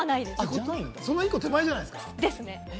その一歩手前じゃないですか？